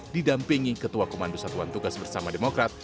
didampingi ketua komando satuan tugas bersama demokrat